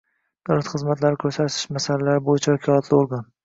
davlat xizmatlari ko’rsatish masalalari bo’yicha vakolatli organ.